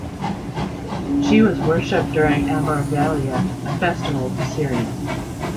She was worshiped during Ambarvalia, a festival to Ceres.